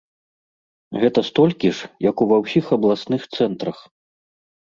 Гэта столькі ж, як у ва ўсіх абласных цэнтрах.